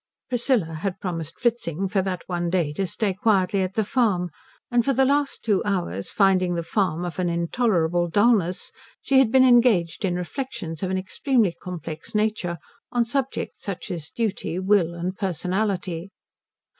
Priscilla had promised Fritzing for that one day to stay quietly at the farm, and for the last two hours, finding the farm of an intolerable dulness, she had been engaged in reflections of an extremely complex nature on subjects such as Duty, Will, and Personality.